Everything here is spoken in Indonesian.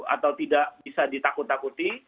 atau tidak bisa ditakut takuti